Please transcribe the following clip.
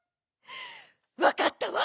わかったわ。